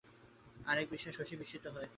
আর এক বিষয়ে শশী বিস্মিত হয়!